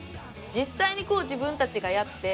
実際にこう自分たちがやって。